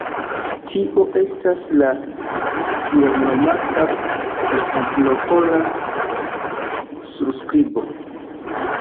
Tio estas la tielnomata Konstantinopola surskribo.